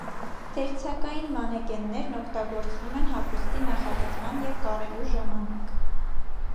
Դերձակային մանեկեններն օգտագործվում են հագուստի նախագծման և կարելու ժամանակ։